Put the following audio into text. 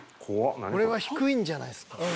［これは低いんじゃないっすか？］